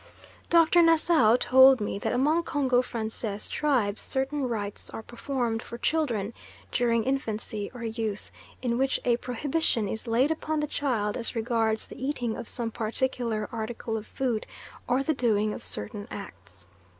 Dr. Nassau told me that among Congo Francais tribes certain rites are performed for children during infancy or youth, in which a prohibition is laid upon the child as regards the eating of some particular article of food, or the doing of certain acts.